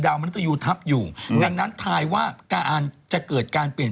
ราซีเมฆที่ผ่านมาเนี่ย